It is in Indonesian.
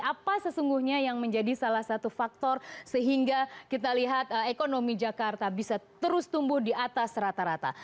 apa sesungguhnya yang menjadi salah satu faktor sehingga kita lihat ekonomi jakarta bisa terus tumbuh di atas rata rata